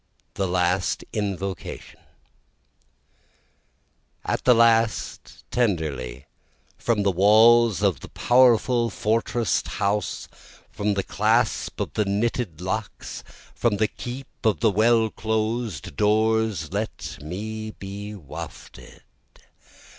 The Last Invocation At the last, tenderly, From the walls of the powerful fortress'd house, From the clasp of the knitted locks, from the keep of the well closed doors, Let me be wafted.